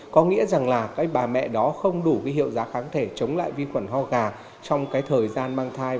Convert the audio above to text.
có nghĩa rằng là các bà mẹ đó không đủ cái hiệu giá kháng thể chống lại vi khuẩn ho gà trong cái thời gian mang thai